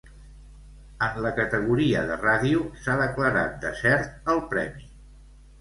En la categoria de ràdio, s'ha declarat desert el premi.